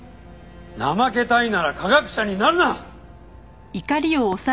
怠けたいなら科学者になるな！